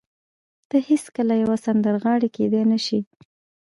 ته هېڅکله يوه سندرغاړې کېدای نه شې.